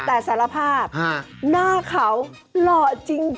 แต่สารภาพหน้าเขาหล่อจริง